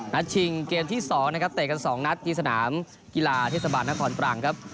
นัดชิงเกมที่๒เตะกัน๒นัดที่สนามกีฬาที่สบานนครปรังครับ